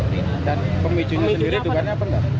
dan pemicunya sendiri itu kan apa